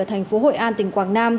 ở thành phố hội an tỉnh quảng nam